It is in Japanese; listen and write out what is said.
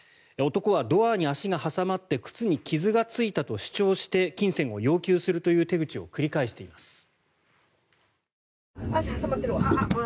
男はドアに足が挟まって靴に傷がついたと主張して金銭を要求するという手口を繰り返しています。